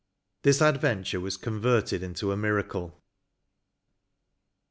This adventure was converted into a miracle.